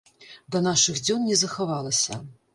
Да нашых дзён не захавалася.